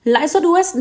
lãi suất usd